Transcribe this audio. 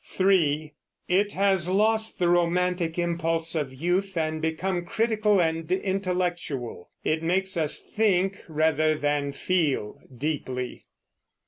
(3) It has lost the romantic impulse of youth, and become critical and intellectual; it makes us think, rather than feel deeply.